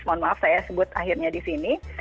mohon maaf saya sebut akhirnya di sini